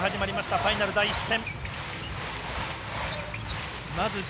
ファイナル第１戦。